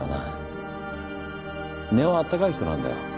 根は温かい人なんだよ。